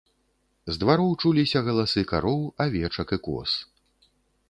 З двароў чуліся галасы кароў, авечак і коз.